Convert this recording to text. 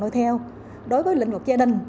đối theo đối với lĩnh vực gia đình